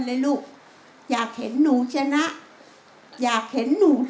และนครอนี้เก่งเราอยากพูด